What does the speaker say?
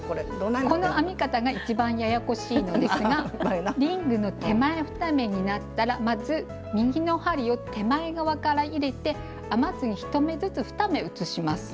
この編み方が一番ややこしいのですがリングの手前２目になったらまず右の針を手前側から入れて編まずに１目ずつ２目移します。